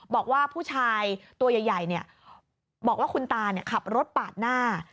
บอกว่าผู้ชายตัวใหญ่บอกว่าคุณตาขับรถปาดหน้า